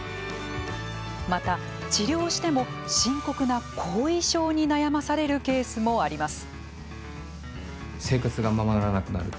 また、治療しても深刻な後遺症に悩まされるケースもあります。